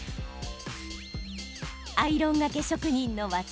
アイロンがけ職人の技